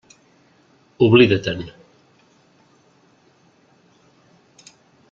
Oblida-te'n.